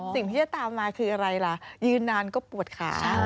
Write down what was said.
สิ่งที่จะตามมาคืออะไรล่ะยืนนานก็ปวดขา